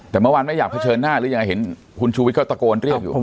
แต่เมื่อวานไม่อยากเผชิญหน้าหรือยังไงเห็นคุณชูวิทยก็ตะโกนเรียกอยู่